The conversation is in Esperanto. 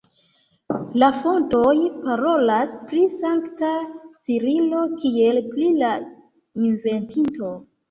La fontoj parolas pri sankta Cirilo kiel pri la inventinto.